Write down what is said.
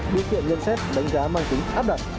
điều kiện nhận xét đánh giá mang tính áp đặt